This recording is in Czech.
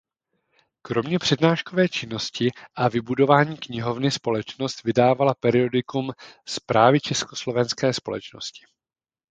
Kromě přednáškové činnosti a vybudování knihovny společnost vydávala periodikum „Zprávy Československé společnosti rukopisné“.